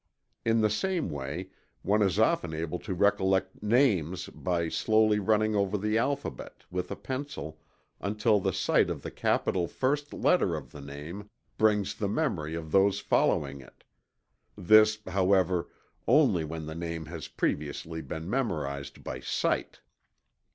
In the same way, one is often able to recollect names by slowly running over the alphabet, with a pencil, until the sight of the capital first letter of the name brings the memory of those following it this, however, only when the name has previously been memorized by sight.